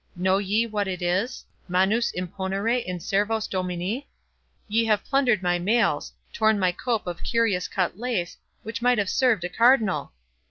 —Know ye what it is, 'manus imponere in servos Domini'? Ye have plundered my mails—torn my cope of curious cut lace, which might have served a cardinal!